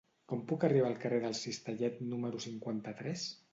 Com puc anar al carrer del Cistellet número cinquanta-tres?